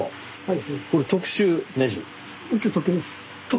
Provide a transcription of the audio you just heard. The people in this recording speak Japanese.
はい。